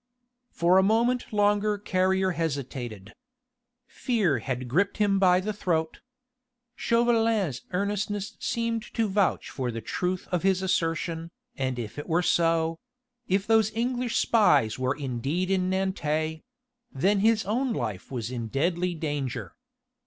For a moment longer Carrier hesitated. Fear had gripped him by the throat. Chauvelin's earnestness seemed to vouch for the truth of his assertion, and if this were so if those English spies were indeed in Nantes then his own life was in deadly danger.